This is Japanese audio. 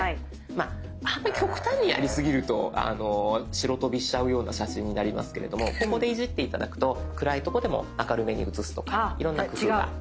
まああんまり極端にやりすぎると白飛びしちゃうような写真になりますけれどもここでいじって頂くと暗いとこでも明るめに写すとかいろんな工夫が。